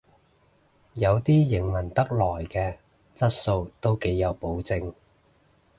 有啲營運得耐嘅質素都幾有保證